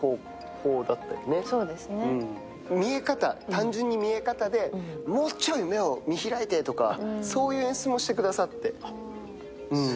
単純な見え方で、もうちょい目を見開いてとかそういう演出もしてくださって。